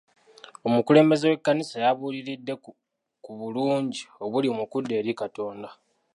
Omululembeze w'ekkanisa yabuuliridde ku bulungi obuli mu kudda eri Katonda.